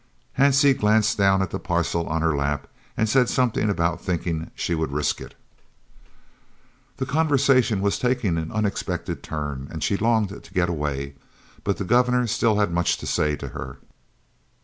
Hansie glanced down at the parcel on her lap and said something about thinking she would risk it. The conversation was taking an unexpected turn, and she longed to get away, but the Governor still had much to say to her.